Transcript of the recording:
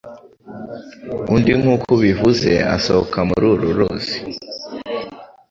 undi nk'uko ubivuze asohoka muri uru ruzi